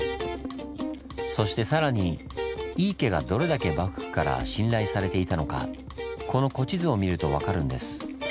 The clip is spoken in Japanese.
そしてさらに井伊家がどれだけ幕府から信頼されていたのかこの古地図を見ると分かるんです。